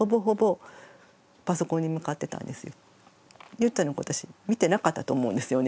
ゆうちゃんのこと私見てなかったと思うんですよね。